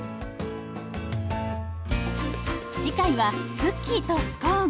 次回はクッキーとスコーン。